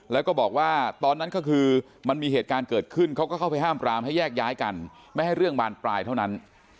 แล้วก็บอกว่าตอนนั้นก็คือมันมีเหตุการณ์เกิดขึ้นเขาก็เข้าไปห้ามปรามให้แยกย้ายกันไม่ให้เรื่องบานปลายเท่านั้น